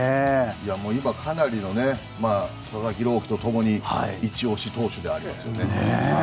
今、かなりの佐々木朗希と共にイチ押し投手ではありますね。